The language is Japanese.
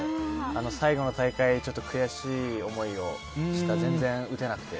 最後の大会ちょっと悔しい思いをした全然打てなくて。